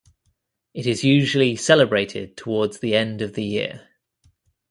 It is usually celebrated towards the end of the year.